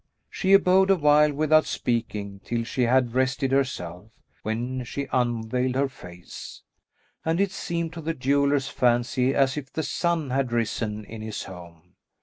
She abode awhile without speaking till she had rested herself, when she unveiled her face and it seemed to the jeweller's fancy as if the sun had risen in his home.